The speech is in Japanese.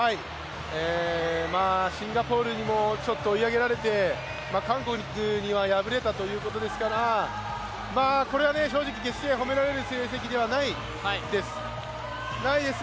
まあ、シンガポールにも追い上げられて韓国には敗れたというところですからこれは、正直、決して褒められる成績ではないです。